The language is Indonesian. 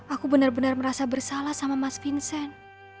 aku benar benar merasa bersalah sama mas vincent